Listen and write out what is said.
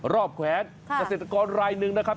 แขวนเกษตรกรรายหนึ่งนะครับ